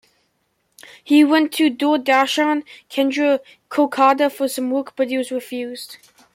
He went to Doordarshan Kendra Kolkata for some work, but he was refused.